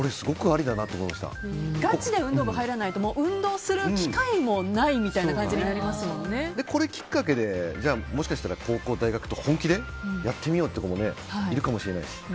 ガチで運動部に入らないと運動する機会がないみたいな感じにこれきっかけでもしかしたら高校、大学で本気でやってみようって子もいるかもしれない。